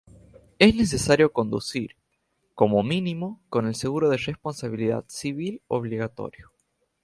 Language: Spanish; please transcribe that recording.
Es necesario conducir, como mínimo, con el seguro de responsabilidad civil obligatorio.